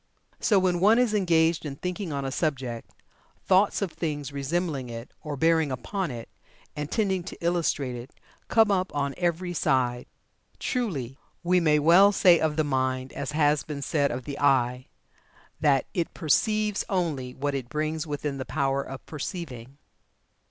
So when one is engaged in thinking on a subject, thoughts of things resembling it, or bearing upon it, and tending to illustrate it, come up on every side. Truly, we may well say of the mind, as has been said of the eye, that 'it perceives only what it brings within the power of perceiving.'"